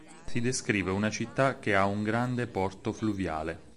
Si descrive una città che ha un grande porto fluviale.